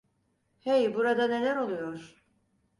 Hey, burada neler oluyor?